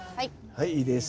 はいいいです。